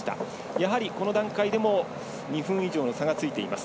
やはり、この段階でも２分以上の差がついています。